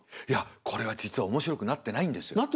いやこれが実は面白くなってないんですよ。